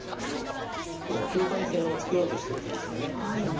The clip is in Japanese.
もう境界線を作ろうとしてる手ですよね。